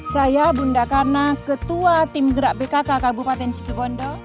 saya bunda karna ketua tim gerak bkk kabupaten situbondo